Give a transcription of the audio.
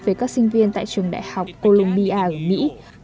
với các sinh viên tại trường đại học columbia ở mỹ